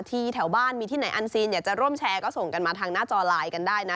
แถวบ้านมีที่ไหนอันซีนอยากจะร่วมแชร์ก็ส่งกันมาทางหน้าจอไลน์กันได้นะ